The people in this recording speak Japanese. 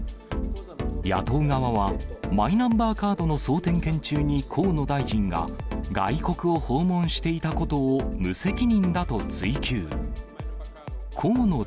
野党側は、マイナンバーカードの総点検中に、河野大臣が外国を訪問していたことを無責任だと追及。